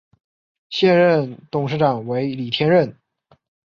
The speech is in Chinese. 现任董事长为李天任。